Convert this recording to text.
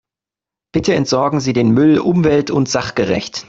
Bitte entsorgen Sie den Müll umwelt- und sachgerecht.